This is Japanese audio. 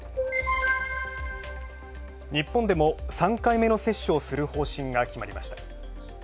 日本でも３回目の接種をする方針が決まりました。